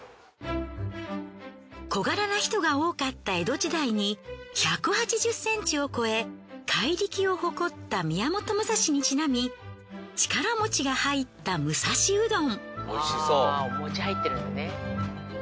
小柄な人が多かった江戸時代に１８０センチを超え怪力を誇った宮本武蔵にちなみ力餅が入った武蔵うどん。